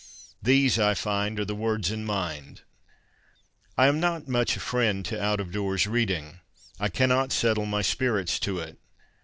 These, I find, are the words in mind :' I am not much a friend to out of doors reading. I cannot settle my spirits to it.